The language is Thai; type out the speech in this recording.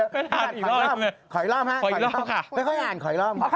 ขออีกรอบขออีกรอบค่ะขออีกรอบค่ะค่อยค่อยอ่านขออีกรอบค่ะ